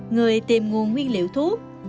người tìm nguồn nguyên liệu thuốc